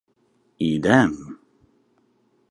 Idem!